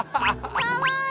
かわいい。